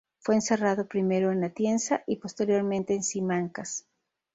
Fue encerrado primero en Atienza y posteriormente en Simancas.